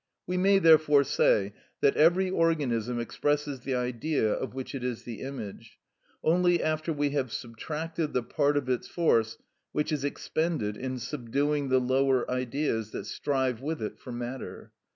We may therefore say that every organism expresses the Idea of which it is the image, only after we have subtracted the part of its force which is expended in subduing the lower Ideas that strive with it for matter.